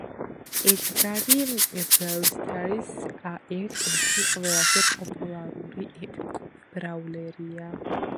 ედგარი Brawl Stars-ის ერთ-ერთი ყველაზე პოპულარული, ეპიკური ბრაულერია